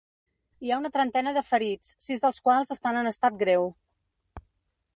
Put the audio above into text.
Hi ha una trentena de ferits, sis dels quals estan en estat greu.